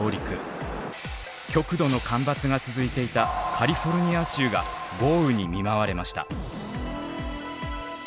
極度の干ばつが続いていたカリフォルニア州が豪雨に見舞われました。